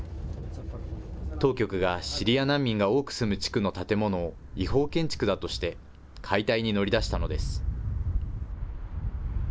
当局がシリア難民が多く住む地区の建物を違法建築だとして、解体に乗り出したのです。